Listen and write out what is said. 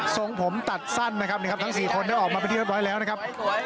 ส่งผมตัดสั้นนะครับทั้ง๔คนได้ออกมาเป็นที่เรียบร้อยแล้วนะครับ